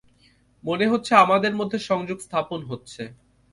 মনে হচ্ছে আমাদের মধ্যে সংযোগ স্থাপন হচ্ছে।